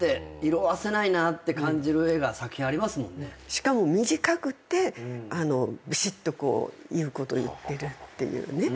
しかも短くてびしっと言うこと言ってるっていうのが。